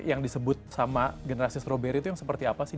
yang disebut sama generasi stroberi itu yang seperti apa sih